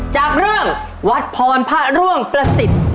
จากเรื่องวัดพรพระร่วงประสิทธิ์